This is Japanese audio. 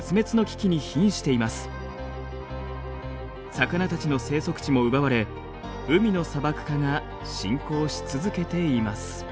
魚たちの生息地も奪われ海の砂漠化が進行し続けています。